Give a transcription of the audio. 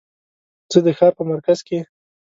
زه د ښار په مرکز کې